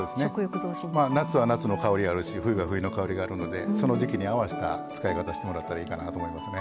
夏は夏の香りがあるし冬は冬の香りがあるのでその時季に合わせた使い方してもらったらいいかなと思いますね。